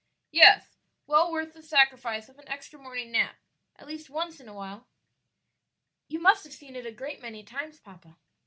"Yes, well worth the sacrifice of an extra morning nap at least once in a while." "You must have seen it a great many times, papa."